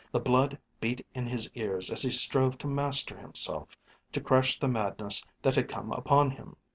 The blood beat in his ears as he strove to master himself, to crush the madness that had come upon him.